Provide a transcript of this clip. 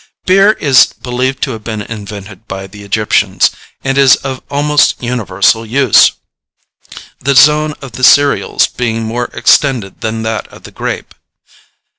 Beer is believed to have been invented by the Egyptians, and is of almost universal use; the zone of the cereals being more extended than that of the grape.